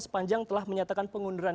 sepanjang telah menyatakan pengunduran